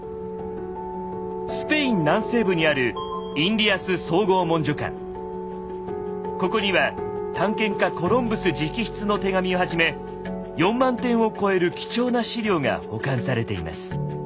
スペイン南西部にあるここには探検家コロンブス直筆の手紙をはじめ４万点を超える貴重な史料が保管されています。